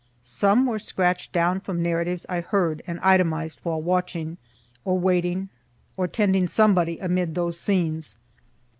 Some were scratch'd down from narratives I heard and itemized while watching, or waiting, or tending somebody amid those scenes.